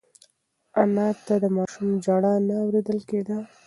انا ته د ماشوم ژړا نه اورېدل کېده.